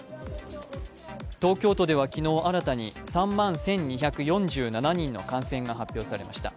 東京都では昨日新たに３万１２４７人の感染が発表されました。